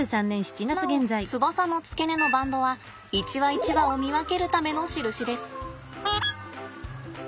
なお翼の付け根のバンドは一羽一羽を見分けるための印です。